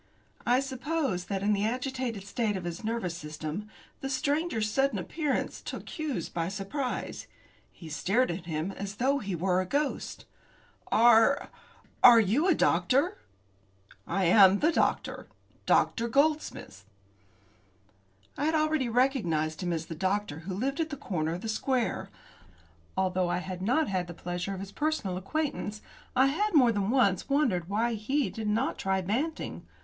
I suppose that in the agitated state of his nervous system, the stranger's sudden appearance took Hughes by surprise. He stared at him as though he were a ghost. "Are are you the doctor?" "I am the doctor Dr. Goldsmith." I had already recognised him as the doctor who lived at the corner of the square. Although I had not the pleasure of his personal acquaintance, I had more than once wondered why he did not try Banting.